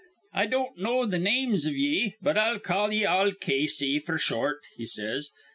'I don't know th' names iv ye; but I'll call ye all Casey, f'r short,' he says.